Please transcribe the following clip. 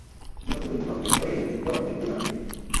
নতুন করে খুব ভালো বিনিয়োগকারী এলেও জমি দেওয়া হবে বলে জানান তিনি।